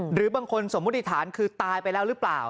หรือบางคนสมมุติฐานคือตายไปแล้วหรือเปล่า